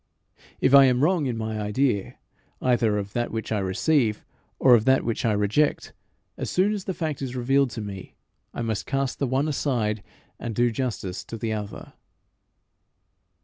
If I am wrong in my idea either of that which I receive or of that which I reject, as soon as the fact is revealed to me I must cast the one away and do justice to the other.